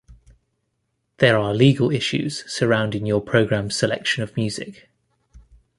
There are legal issues surrounding your program's selection of music.